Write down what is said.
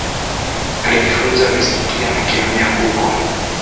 Alijifunza fizikia na kemia huko.